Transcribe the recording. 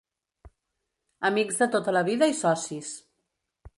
Amics de tota la vida i socis.